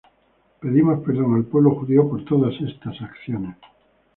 Pedimos perdón al pueblo judío por todas esas acciones.